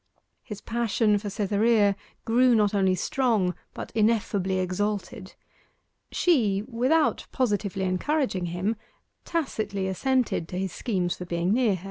His passion for Cytherea grew not only strong, but ineffably exalted: she, without positively encouraging him, tacitly assented to his schemes for being near her.